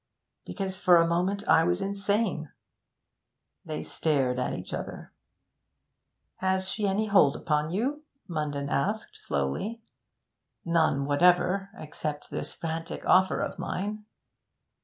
'Because for a moment I was insane.' They stared at each other. 'Has she any hold upon you?' Munden asked slowly. 'None whatever, except this frantic offer of mine.'